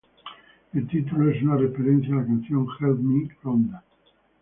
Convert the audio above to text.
El título es una referencia a la canción Help Me, Rhonda.